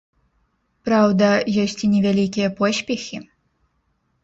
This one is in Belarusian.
Праўда, ёсць і невялікія поспехі.